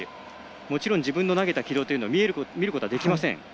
もちろん自分の投げた軌道というのは見ることはできません。